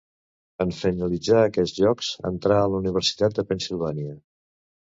En finalitzar aquests Jocs entrà a la Universitat de Pennsilvània.